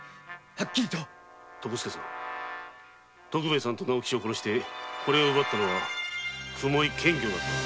徳兵衛さんと直吉を殺してこれを奪ったのは雲居検校だったのだ。